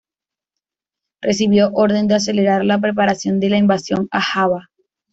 Recibió orden de acelerar la preparación de la invasión a Java.